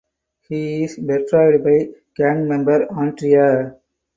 He is betrayed by gang member Andrea.